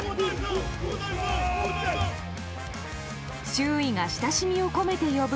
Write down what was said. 周囲が親しみを込めて呼ぶ